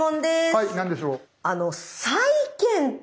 はい何でしょう？